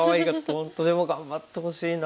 本当でも頑張ってほしいな。